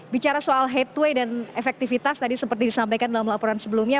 bicara soal headway dan efektivitas tadi seperti disampaikan dalam laporan sebelumnya